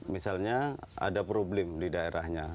misalnya ada problem di daerahnya